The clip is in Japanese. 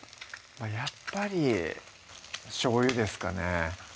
まぁやっぱりしょうゆですかね